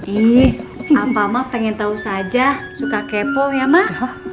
ih apa mak pengen tau saja suka kepo ya mak